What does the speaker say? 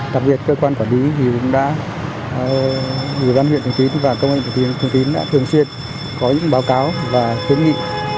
tạm biệt cơ quan quản lý dự quan huyện thông tin và công an huyện thông tin đã thường xuyên có những báo cáo và thương nghị